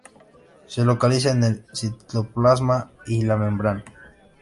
Se localiza en el citoplasma y en la membrana.